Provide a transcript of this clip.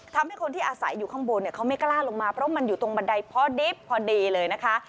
ทำให้คนที่อาศัยอยู่ข้างบนเนี่ยเขาไม่กล้าลงมาเพราะมันอยู่ตรงบันไดพอดิบพอดีเลยนะคะ